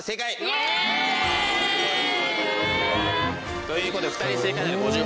イエイ！ということで２人正解なので５０